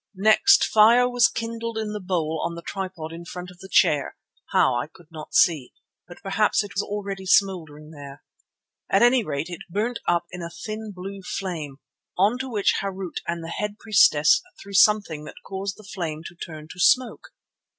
Next fire was kindled in the bowl on the tripod in front of the chair, how I could not see; but perhaps it was already smouldering there. At any rate it burnt up in a thin blue flame, on to which Harût and the head priestess threw something that caused the flame to turn to smoke.